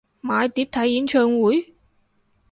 買碟睇演唱會？